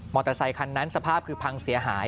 อเตอร์ไซคันนั้นสภาพคือพังเสียหาย